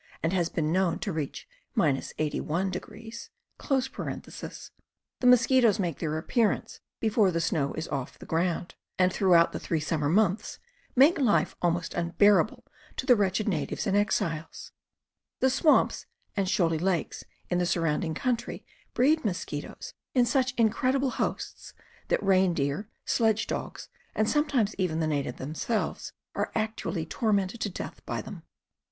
and has been known to reach 81°) the mosquitoes make their appearance before the snow is off the ground, and throughout the three summer months, make life almost unbearable to the wretched natives and exiles. The swamps and shoaly lakes in the surrounding country breed mosquitoes in such in credible hosts that reindeer, sledge dogs, and sometimes even the natives themselves, are actually tormented to death by them.